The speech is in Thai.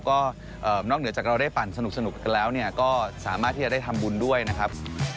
ก็นอกเหนือจากเราได้ปั่นสนุกกันแล้วก็สามารถที่จะได้ทำบุญด้วยนะครับ